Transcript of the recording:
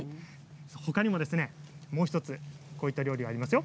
もう１つこういった料理がありますよ。